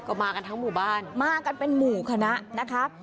ก็มากันทั้งหมู่บ้านมากันเป็นหมู่คณะนะคะ